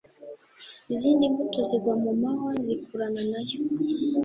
Izindi mbuto zigwa mu mahwa zikurana nayo